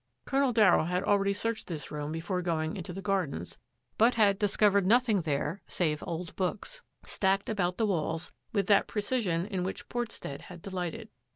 Colonel Darryll had already searched this room before going into the gardens, but had discovered nothing there save old books, stacked about the walls with that pre cision in which Portstead had delighted.